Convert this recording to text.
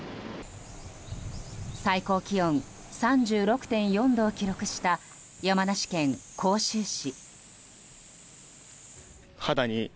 最高気温３６．４度を記録した山梨県甲州市。